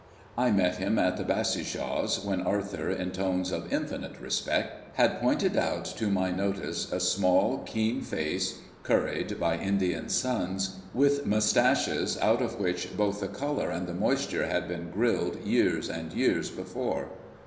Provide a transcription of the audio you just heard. I met him at the Bassishaws' when Arthur, in tones of infinite respect, had pointed out to my notice a small, keen face, curried by Indian suns, with moustaches out of which both the colour and the moisture had been grilled years and years before.